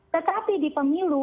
tetapi di pemilu